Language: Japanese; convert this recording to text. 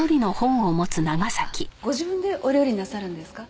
あっご自分でお料理なさるんですか？